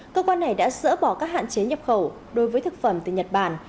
cơ quan này đã dỡ bỏ các hạn chế nhập khẩu đối với thực phẩm từ nhật bản